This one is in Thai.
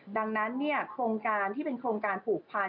ดังนั้นโครงการที่เป็นโครงการผูกพัน